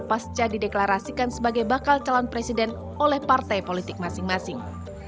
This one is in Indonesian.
pasca dideklarasikan sebagai bakal calon presiden oleh partai politik masing masing